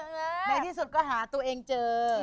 ในที่สุดก็หาตัวเองเจอ